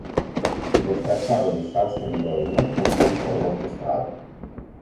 Nel tracciato di Chancery Lane confluiscono molte strade.